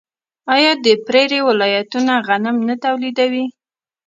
آیا د پریري ولایتونه غنم نه تولیدوي؟